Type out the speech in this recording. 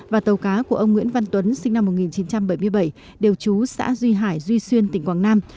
và tàu cá của ông nguyễn văn tuấn sinh năm một nghìn chín trăm bảy mươi bảy đều trú xã duy hải duy xuyên tỉnh quảng nam